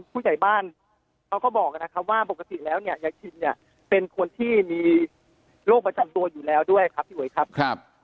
ผู้ใหญ่บ้านเขาก็บอกนะครับว่าปกติแล้วเนี่ยเป็นคนที่มีโรคประจำตัวอยู่แล้วด้วยครับ